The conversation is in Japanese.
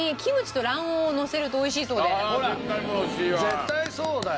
絶対そうだよ。